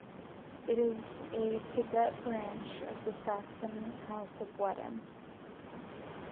It is a cadet branch of the Saxon House of Wettin.